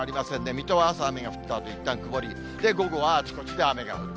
水戸は朝、雨が降ったあと、いったん曇り、午後はあちこちで雨が降る。